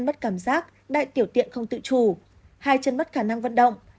mất cảm giác đại tiểu tiện không tự chủ hai chân mất khả năng vận động